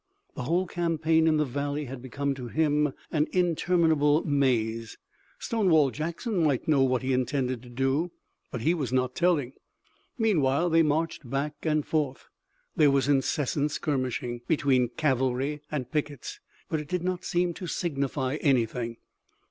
The whole campaign in the valley had become to him an interminable maze. Stonewall Jackson might know what he intended to do, but he was not telling. Meanwhile they marched back and forth. There was incessant skirmishing between cavalry and pickets, but it did not seem to signify anything.